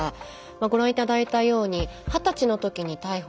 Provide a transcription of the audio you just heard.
ご覧頂いたように二十歳のときに逮捕され